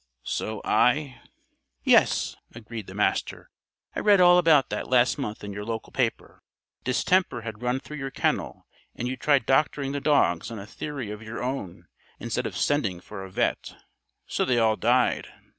So I " "Yes," agreed the Master. "I read all about that last month in your local paper. Distemper had run through your kennel, and you tried doctoring the dogs on a theory of your own instead of sending for a vet. So they all died.